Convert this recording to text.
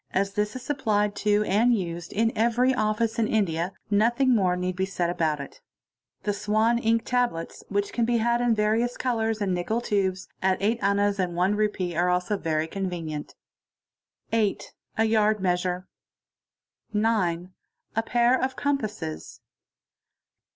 this is supplied to and used in every office in India, nothing more need b said about it. The 'Swan' Ink tablets, which can be had in variou colours, in Nickel tubes, at 8 as. and Re. 1 are also very convenient. 8. A yard measure. | 9. A pair of compasses.